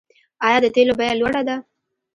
آیا د تیلو بیه لوړه ده؟